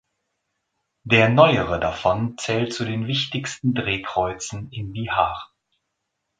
Der neuere davon zählt zu den wichtigsten Drehkreuzen in Bihar.